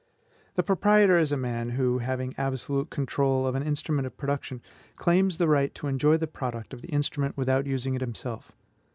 The proprietor is a man who, having absolute control of an instrument of production, claims the right to enjoy the product of the instrument without using it himself.